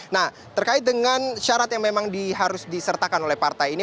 nah terkait dengan syarat yang memang diharus disertakan oleh partai ini